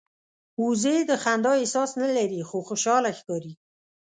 وزې د خندا احساس نه لري خو خوشاله ښکاري